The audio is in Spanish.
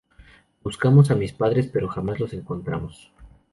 Buscamos a mis padres pero jamás los encontramos.